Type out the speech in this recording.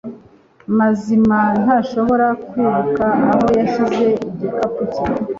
Mazima ntashobora kwibuka aho yashyize igikapu cye.